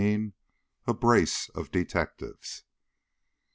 A BRACE OF DETECTIVES.